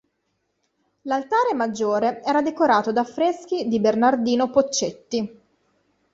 L'altare maggiore era decorato da affreschi di Bernardino Poccetti.